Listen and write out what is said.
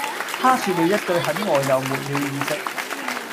她說了一句很餓又沒了意識